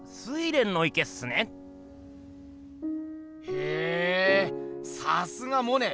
へぇさすがモネ。